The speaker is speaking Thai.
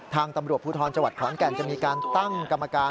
ทางตำรวจภูทรจังหวัดขอนแก่นจะมีการตั้งกรรมการ